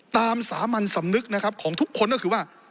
สามัญสำนึกนะครับของทุกคนก็คือว่า